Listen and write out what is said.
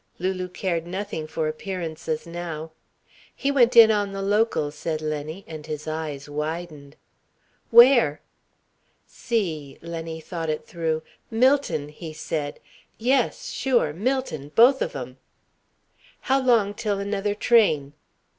Lulu cared nothing for appearances now. "He went in on the Local," said Lenny, and his eyes widened. "Where?" "See." Lenny thought it through. "Millton," he said. "Yes, sure. Millton. Both of 'em." "How long till another train?"